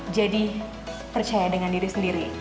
jadi percaya dengan diri sendiri